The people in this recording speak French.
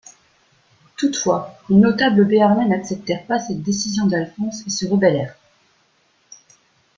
Toutefois, les notables béarnais n'acceptèrent pas cette décision d'Alphonse et se rebellèrent.